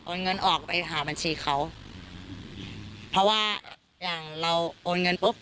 เงินออกไปหาบัญชีเขาเพราะว่าอย่างเราโอนเงินปุ๊บ